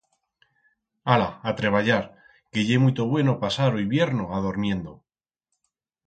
Ala, a treballar, que ye muito bueno pasar o hibierno adormiendo.